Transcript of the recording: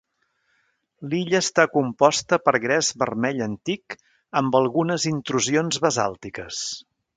L'illa està composta per gres vermell antic amb algunes intrusions basàltiques.